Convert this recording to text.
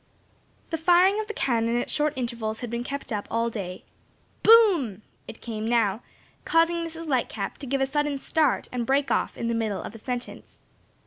The firing of the cannon at short intervals had been kept up all day. "Boom!" it came now, causing Mrs. Lightcap to give a sudden start and break off in the middle of a sentence.